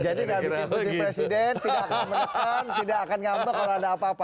jadi gak bikin pusing presiden tidak akan menekan tidak akan ngambek kalau ada apa apa